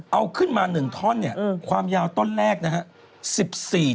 เอาขึ้นมา๑ท่อนความยาวต้นแรก๑๔๖เมตร